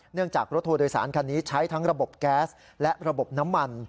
จากรถทัวร์โดยสารคันนี้ใช้ทั้งระบบแก๊สและระบบน้ำมัน